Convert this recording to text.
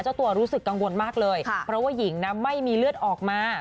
เจ้าตัวรู้สึกกังวลมากเลยเพราะว่าหญิงนะไม่มีเลือดออกมา